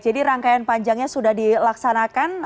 jadi rangkaian panjangnya sudah dilaksanakan